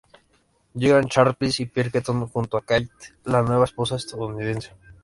Llegan Sharpless y Pinkerton, junto con Kate, la nueva esposa estadounidense del marino.